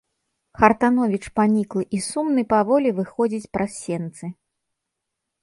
Хартановіч паніклы і сумны паволі выходзіць праз сенцы.